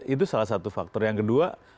itu salah satu faktor yang kedua